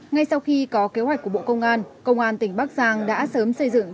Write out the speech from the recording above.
ngay sau khi có kế hoạch của bộ công an công an tỉnh bắc giang đã sớm xây dựng